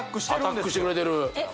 アタックしてくれてるえっ